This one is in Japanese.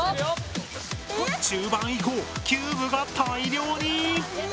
中盤以降キューブが大量に！